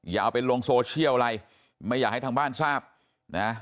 อย่าเอาไปลงโซเชียลอะไรไม่อยากให้ทางบ้านทราบนะ